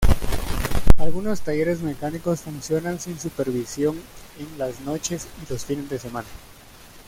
Algunos talleres mecánicos funcionan sin supervisión en las noches y los fines de semana..